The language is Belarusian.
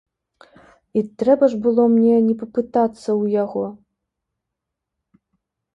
І трэба ж было мне не папытацца ў яго?